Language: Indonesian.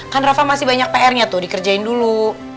kan rafa masih banyak pr nya tuh dikerjain dulu